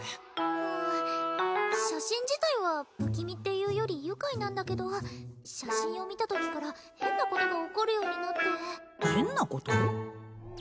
うん写真自体は不気味っていうより愉快なんだけど写真を見た時から変なことが起こるようになって変なこと？